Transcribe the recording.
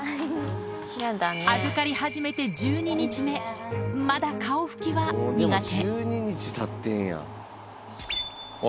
預かり始めて１２日目、まだ顔拭きは苦手。